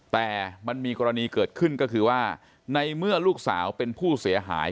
แต่มันมีกรณีเกิดขึ้นก็คือว่าในเมื่อลูกสาวเป็นผู้เสียหาย